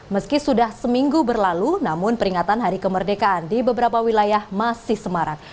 meski sudah seminggu berlalu namun peringatan hari kemerdekaan di beberapa wilayah masih semarang